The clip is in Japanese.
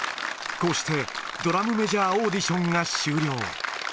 こうして、ドラムメジャーオーディションが終了。